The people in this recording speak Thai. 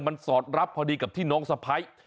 มันสอดรับพอดีกับที่น้องสะพ้าย